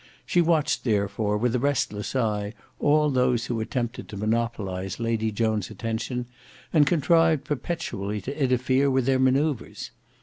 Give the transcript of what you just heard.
She watched therefore with a restless eye all those who attempted to monopolize Lady Joan's attention, and contrived perpetually to interfere with their manoeuvres.